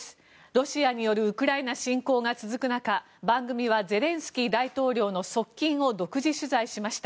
ロシアによるウクライナ侵攻が続く中番組はゼレンスキー大統領の側近を独自取材しました。